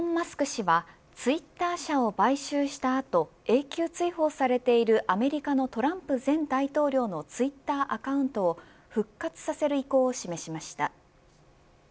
氏はツイッター社を買収した後永久追放されているアメリカのトランプ前大統領のツイッターアカウントを復活させる意向を示しました。